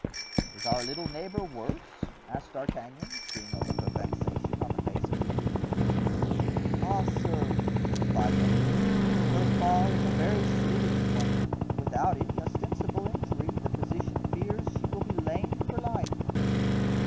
"Is our little neighbor worse?" asked D'Artagnan, seeing a look of vexation on the face of the youth. "Ah, sir!" replied Raoul, "her fall is a very serious one, and without any ostensible injury, the physician fears she will be lame for life."